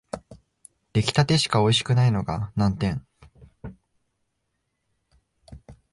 出来立てしかおいしくないのが難点